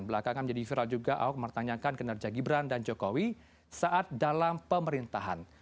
belakangan menjadi viral juga ahok mempertanyakan kinerja gibran dan jokowi saat dalam pemerintahan